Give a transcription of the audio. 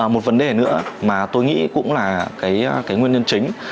một vấn đề nữa mà tôi nghĩ cũng là cái nguyên nhân chính